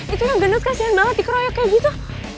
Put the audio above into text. itu yang genus kasihan banget dikeroyok kayak gitu